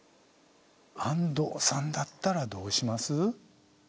安藤さんだったらどうします？